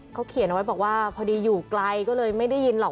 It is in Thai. เขาเขียนเอาไว้บอกว่าพอดีอยู่ไกลก็เลยไม่ได้ยินหรอก